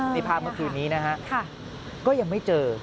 นี่ภาพเมื่อคืนนี้นะฮะก็ยังไม่เจอ